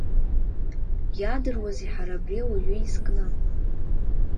Иаадыруази ҳара абри ауаҩ изкны?